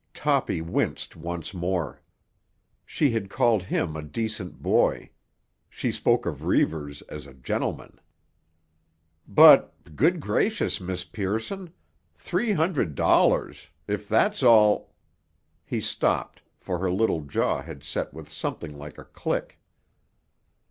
Toppy winced once more. She had called him a "decent boy"; she spoke of Reivers as a "gentleman." "But—good gracious, Miss Pearson! Three hundred dollars——if that's all——" He stopped, for her little jaw had set with something like a click.